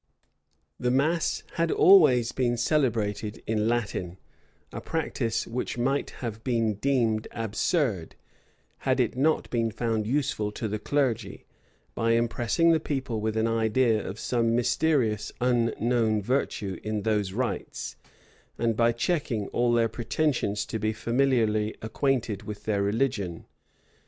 The mass had always been celebrated in Latin; a practice which might have been deemed absurd, had it not been found useful to the clergy, by impressing the people with an idea of some mysterious unknown virtue in those rites, and by checking all their pretensions to be familiarly acquainted with their religion.